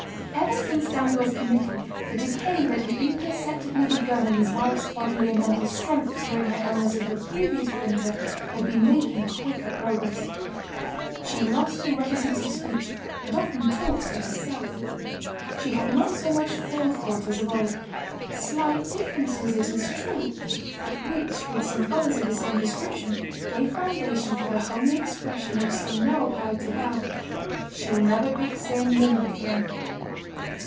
Ever since Daniel's committal, the decay that had imperceptibly begun in his wife's bodily and mental strength during her illness of the previous winter, had been making quicker progress. She lost her reticence of speech, and often talked to herself. She had not so much forethought as of old; slight differences, it is true, but which, with some others of the same description, gave foundation for the homely expression which some now applied to Bell, 'She'll never be t' same woman again.